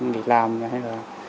để làm hay là